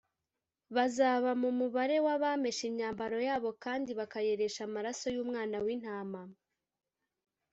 bazaba mu mubare w’abameshe imyambaro yabo kandi bakayeresha amaraso y’umwana w’intama